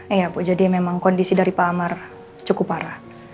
iya bu jadi memang kondisi dari pak amar cukup parah